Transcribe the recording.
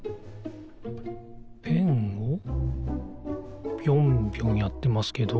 ペンをぴょんぴょんやってますけど。